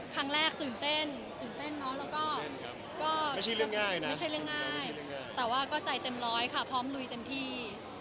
ครั้งแรกตื่นเต้นตื่นเต้นเนอะแล้วก็ไม่ใช่เรื่องง่ายนะไม่ใช่เรื่องง่ายแต่ว่าก็ใจเต็มร้อยค่ะพร้อมลุยเต็มที่